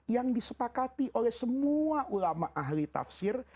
yang disepakati oleh semua ulama ahli tafsir